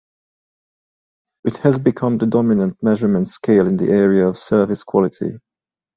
It has become the dominant measurement scale in the area of service quality.